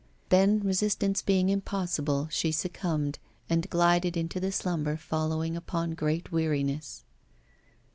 Then, resistance being impossible, she succumbed and glided into the slumber following upon great weariness.